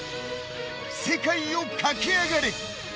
世界を駆けあがれ。